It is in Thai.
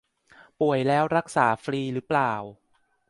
ป่วยแล้วรักษาฟรีหรือเปล่า